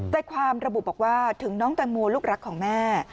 ใจความระบุบอกว่าถึงน้องแตงโมลูกรักของแม่